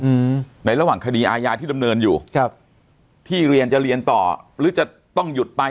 อืมในระหว่างคดีอาญาที่ดำเนินอยู่ครับที่เรียนจะเรียนต่อหรือจะต้องหยุดไป